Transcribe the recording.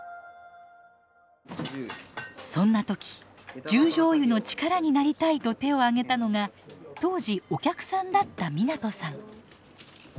そんな時「十條湯の力になりたい」と手を挙げたのが当時お客さんだった湊さん。